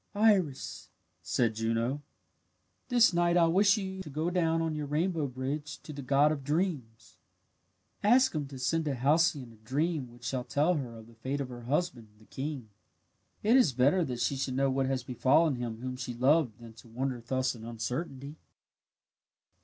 "Iris," said Juno, "this night I wish you to go down on your rainbow bridge to the god of dreams. "Ask him to send to Halcyone a dream which shall tell her of the fate of her husband, the king. It is better that she should know what has befallen him whom she loved than to wander thus in uncertainty."